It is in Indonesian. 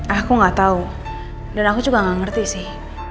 aku nggak tahu dan aku juga gak ngerti sih